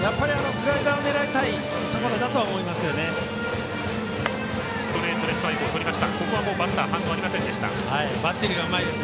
スライダーを狙いたいところだとは思います。